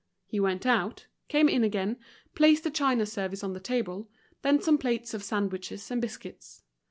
He went out, came in again, placed the china service on the table, then some plates of sandwiches and biscuits.